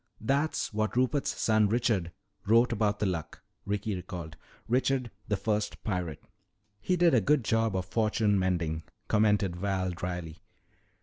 That's what Rupert's son Richard wrote about the Luck," Ricky recalled. "Richard, the first pirate." "He did a good job of fortune mending," commented Val dryly.